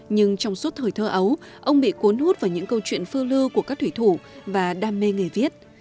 nhưng trong suốt thời thơ ấu ông bị cuốn hút vào những câu chuyện phương lưu của các thủy thủ và đam mê nghề viết